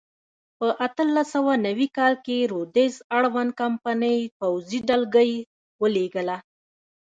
په اتلس سوه نوي کال کې د روډز اړوند کمپنۍ پوځي ډلګۍ ولېږله.